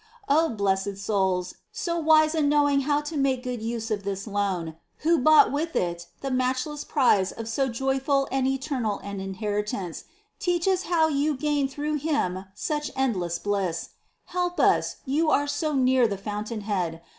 Oh, blessed souls, so wise in knowing how to make good use of this loan — who bought with it the matchless prize of so joyful and eternal an inheritance, teach us how you gained through Him such endless bliss ! Help us, you are so near the fountain head